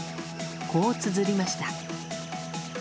こうつづりました。